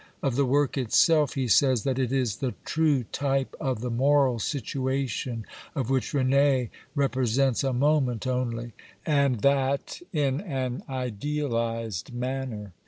Of the work itself he says that it is "the true type of the moral situation of which Rene represents a moment only, and that in an idealised manner."